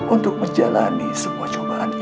untuk menjalani semua cobaan